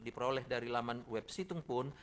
diperoleh dari laman web situng pun